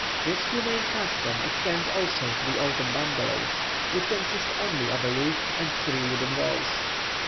This humane custom extends also to the open bungalows, which consist only of a roof and three wooden walls.